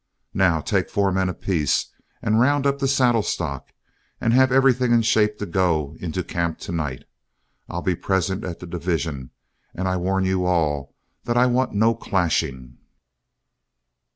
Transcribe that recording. Now, take four men apiece and round up the saddle stock, and have everything in shape to go into camp to night. I'll be present at the division, and I warn you all that I want no clashing."